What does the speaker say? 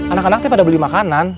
anak anak itu pada beli makanan